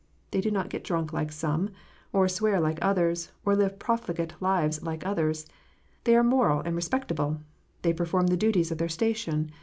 They do not get drunk like some, or swear like others, or live profligate lives like others. They are moral and respectable ! They perform the duties of their station